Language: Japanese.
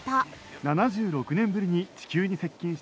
「７６年ぶりに地球に接近している」